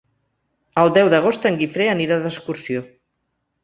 El deu d'agost en Guifré anirà d'excursió.